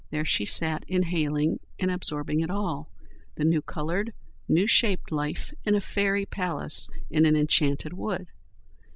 There she sat, inhaling and absorbing it all—the new coloured, new shaped life in a fairy palace in an enchanted wood.